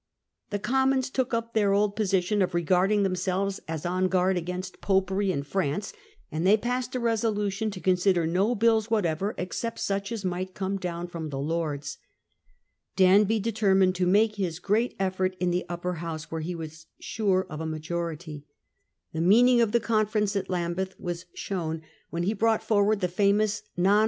The Commons took up their old position of regarding themselves as on guard against Popery and France, and they passed a resolution to consider no bills whatever except such as might come down from the Lords. Danby determined to make his great effort in the Upper House, where he was sure of a majority. The Non meaning of the conference at Lambeth was >assed by CSt shown when he brought forward the famous the Lords.